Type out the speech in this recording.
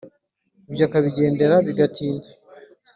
Ibyo akabigendera bigatinda”.